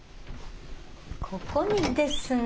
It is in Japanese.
ここにですね。